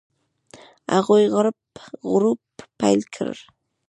هغوی غړپ غړوپ پیل کړي.